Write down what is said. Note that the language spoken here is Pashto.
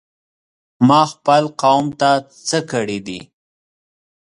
ما خپل قوم ته څه کړي دي؟!